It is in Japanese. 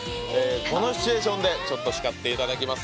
このシチュエーションで叱っていただきます。